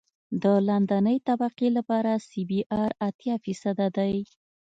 د لاندنۍ طبقې لپاره سی بي ار اتیا فیصده دی